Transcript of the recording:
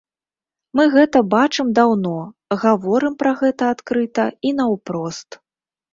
Мы гэта бачым даўно, гаворым пра гэта адкрыта і наўпрост.